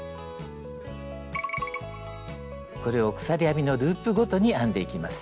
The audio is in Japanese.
これを鎖編みのループごとに編んでいきます。